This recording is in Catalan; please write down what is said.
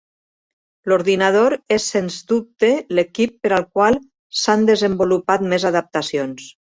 L'ordinador és sens dubte l'equip per al qual s'han desenvolupat més adaptacions.